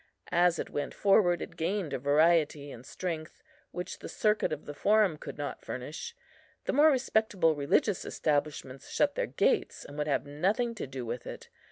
As it went forward it gained a variety and strength, which the circuit of the Forum could not furnish. The more respectable religious establishments shut their gates, and would have nothing to do with it.